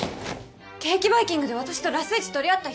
ケーキバイキングで私とラス１取り合った人！？